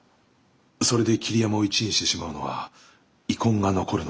それで桐山を１位にしてしまうのは遺恨が残るのでは。